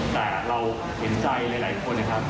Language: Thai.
แต่เราเห็นใจหลายคนนะครับ